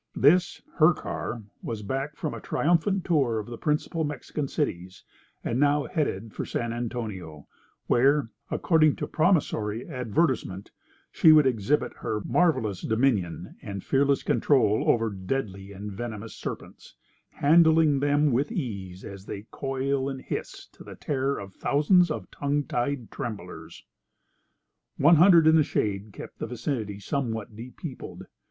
This, her car, was back from a triumphant tour of the principal Mexican cities, and now headed for San Antonio, where, according to promissory advertisement, she would exhibit her "Marvellous Dominion and Fearless Control over Deadly and Venomous Serpents, Handling them with Ease as they Coil and Hiss to the Terror of Thousands of Tongue tied Tremblers!" One hundred in the shade kept the vicinity somewhat depeopled.